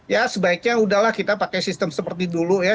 ya sebaiknya udahlah kita pakai sistem seperti dulu ya